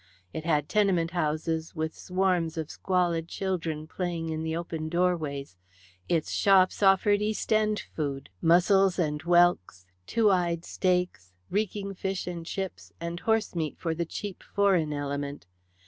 It had tenement houses with swarms of squalid children playing in the open doorways, its shops offered East End food mussels and whelks, "two eyed steaks," reeking fish and chips, and horsemeat for the cheap foreign element.